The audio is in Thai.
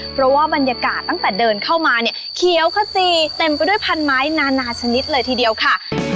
เพราะว่าบรรยากาศตั้งแต่เดินเข้ามาเนี่ยเขียวขจีเต็มไปด้วยพันไม้นานาชนิดเลยทีเดียวค่ะ